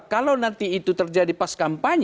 kalau nanti itu terjadi pas kampanye